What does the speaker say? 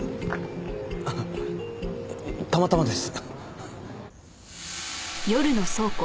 ああたまたまです。